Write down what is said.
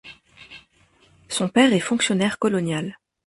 Son père est fonctionnaire colonial.